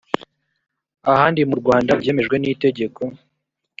ahandi mu rwanda byemejwe n’ itegeko